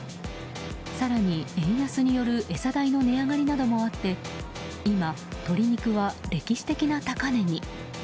更に、円安による餌代の値上がりなどもあって今、鶏肉は歴史的な高値に。